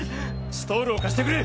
ストールを貸してくれ！